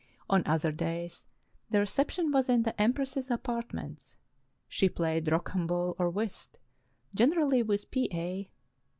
On other days, the reception was in the empress's apartments. She played rocambole or whist, generally with P. A.